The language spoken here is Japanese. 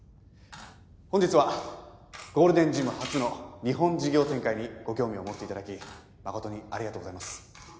本日はゴールデンジム初の日本事業展開にご興味を持って頂き誠にありがとうございます。